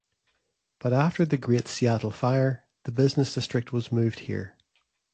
But after the Great Seattle Fire, the business district was moved here.